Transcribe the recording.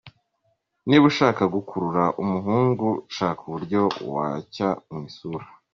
Niba ushaka gukurura umuhungu shaka uburyo wacya mu isura.